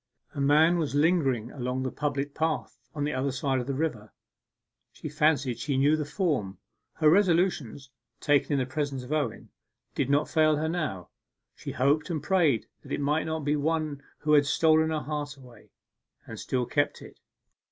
A man was lingering along the public path on the other side of the river; she fancied she knew the form. Her resolutions, taken in the presence of Owen, did not fail her now. She hoped and prayed that it might not be one who had stolen her heart away, and still kept it.